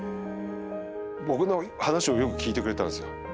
僕の話をよく聞いてくれたんですよ。